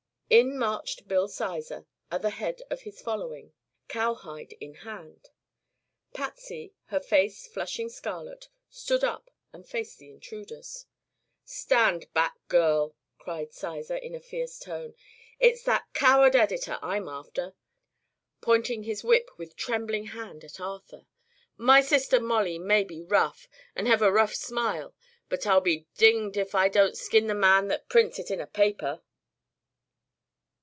In marched Bill Sizer at the head of his following, cowhide in hand. Patsy, her face flushing scarlet, stood up and faced the intruders. "Stand back, girl!" cried Sizer in a fierce tone; "it's that coward editor I'm after," pointing his whip with trembling hand at Arthur. "My sister Molly may be rough, an' hev a rough smile, but I'll be dinged ef I don't skin the man thet prints it in a paper!"